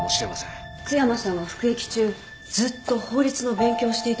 津山さんは服役中ずっと法律の勉強をしていたそうです。